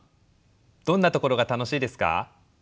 どんなところが楽しいですか？